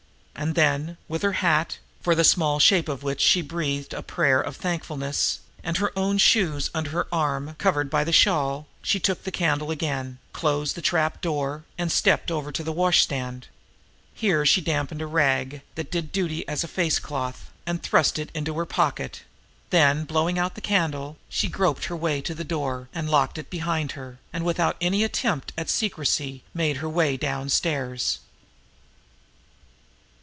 And then, with her hat for the small shape of which she breathed a prayer of thankfulness! and her own shoes under her arm and covered by the shawl, she took the candle again, closed the trap door, and stepped over to the washstand. Here, she dampened a rag, that did duty as a facecloth, and thrust it into her pocket; then, blowing out the candle, she groped her way to the door, locked it behind her, and without any attempt at secrecy made her way downstairs.